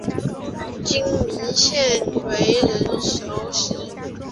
金珉锡为人熟识。